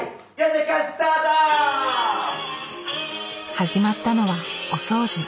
始まったのはお掃除。